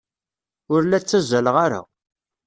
Ur la ttazzaleɣ ara.